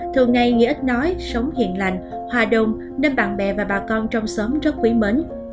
thường ngày như ít nói sống hiền lành hòa đồng nên bạn bè và bà con trong xóm rất quý mến